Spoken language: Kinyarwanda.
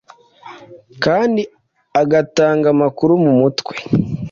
kandi agatanga amakuru mumutwe